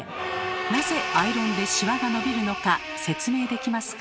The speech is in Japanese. なぜアイロンでシワが伸びるのか説明できますか？